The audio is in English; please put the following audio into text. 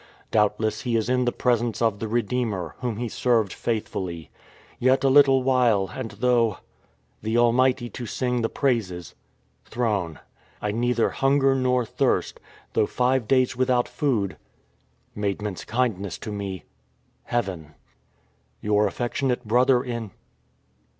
Doubtless he is in the presence of the Redeemer, Whom he served faithfully. Yet a little while, and though ... the Almighty to sing the praises ... throne. I neither hunger nor thirst, though five days without food. ... Maidmcnt's kindness to me .,. heaven. " Your affectionate brother in